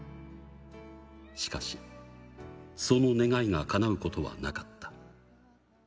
しかし、その願いがかなうことはなかった。